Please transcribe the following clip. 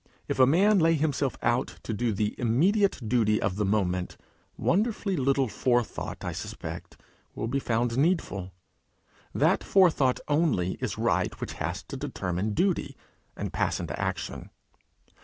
If a man lay himself out to do the immediate duty of the moment, wonderfully little forethought, I suspect, will be found needful. That forethought only is right which has to determine duty, and pass into action.